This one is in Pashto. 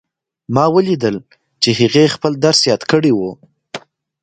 ما ولیدل چې هغې خپل درس یاد کړی وو